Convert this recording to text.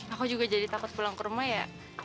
aku juga jadi takut pulang ke rumah ya